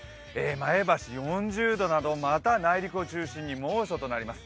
前橋では４０度など、また内陸を中心に猛暑となります。